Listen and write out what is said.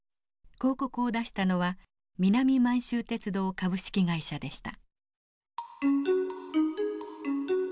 広告を出したのは南満州鉄道株式会社でした。